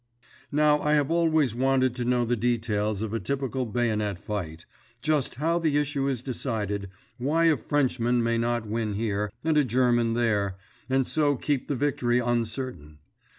Now I have always wanted to know the details of a typical bayonet fight—just how the issue is decided, why a Frenchman might not win here, and a German there, and so keep the victory uncertain.